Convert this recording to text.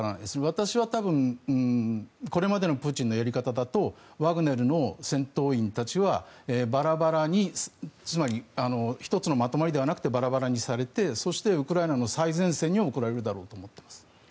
私は多分これまでのプーチンのやり方だとワグネルの戦闘員たちはバラバラにつまり、１つのまとまりではなくバラバラにされてそして、ウクライナの最前線に送られるだろうと思っています。